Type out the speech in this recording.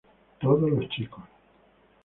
Todos los chicos.